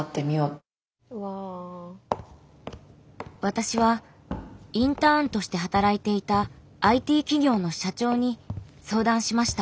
私はインターンとして働いていたＩＴ企業の社長に相談しました。